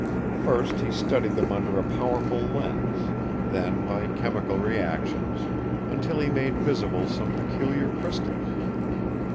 First he studied them under a powerful lens, then by chemical reactions, until he made visible some peculiar crystals.